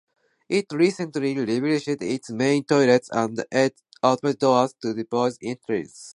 It recently refurbished its main toilets and added automatic doors to the boys' entrance.